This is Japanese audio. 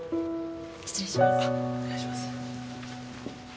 失礼します。